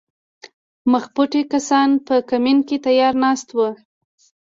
مخپټي کسان په کمین کې تیار ناست ول